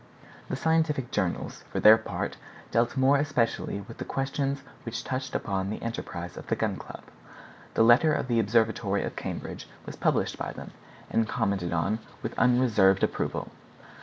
The scientific journals, for their part, dealt more especially with the questions which touched upon the enterprise of the Gun Club. The letter of the Observatory of Cambridge was published by them, and commented upon with unreserved approval.